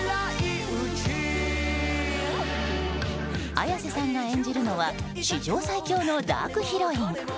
綾瀬さんが演じるのは史上最強のダークヒロイン。